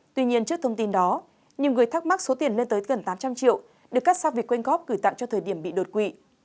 tuy nhiên trước thông tin đó nhiều người thắc mắc số tiền lên tới gần tám trăm linh triệu được cắt sau việc quên góp gửi tặng cho thời điểm bị đột quỵ